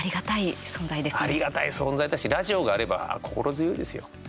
ありがたい存在だしラジオがあれば心強いですよ。